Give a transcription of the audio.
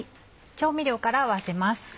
調味料から合わせます。